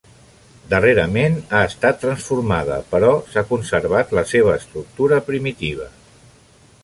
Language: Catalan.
Darrerament ha estat transformada però s'ha conservat la seva estructura primitiva.